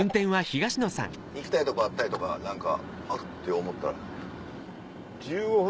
行きたいとこあったりとか何か「あっ」て思ったら。